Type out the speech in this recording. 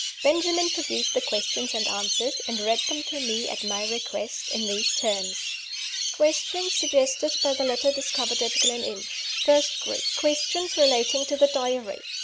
Benjamin produced the Questions and Answers; and read them to me, at my request, in these terms: "Questions suggested by the letter discovered at Gleninch. First Group: Questions relating to the Diary.